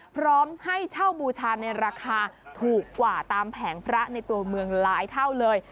พร้อมให้เช่าบูชาในราคาถูกกว่าตามแผงพระในตัวเมืองหลายเท่าเลย